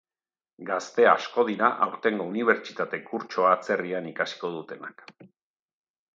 Gazte asko dira aurtengo unibertsitate kurtsoa atzerrian ikasiko dutenak.